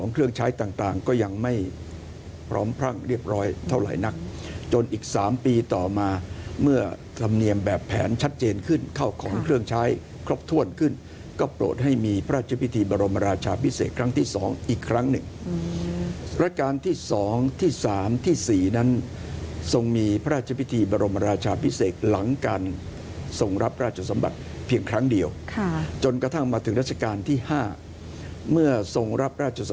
เท่าไหร่นักจนอีกสามปีต่อมาเมื่อธรรมเนียมแบบแผนชัดเจนขึ้นเข้าของเครื่องใช้ครบถ้วนขึ้นก็โปรดให้มีพระราชพิธีบรรมราชาพิเศษครั้งที่สองอีกครั้งหนึ่งรัชกาลที่สองที่สามที่สี่นั้นทรงมีพระราชพิธีบรรมราชาพิเศษหลังการทรงรับราชสมบัติเพียงครั้งเดียวจนกระทั่งมาถึงรั